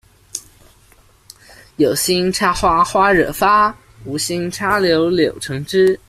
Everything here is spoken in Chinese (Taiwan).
有心插花花惹發，無心插柳柳橙汁